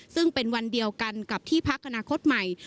ซึ่งเป็นวันเดียวกันกับที่พักอนาคตใหม่